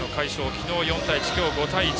昨日４対１、今日５対１。